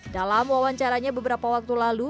dalam wawancaranya beberapa waktu lalu